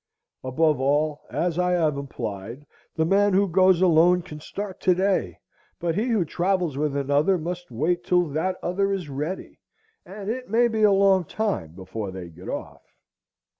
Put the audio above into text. Above all, as I have implied, the man who goes alone can start to day; but he who travels with another must wait till that other is ready, and it may be a long time before they get off.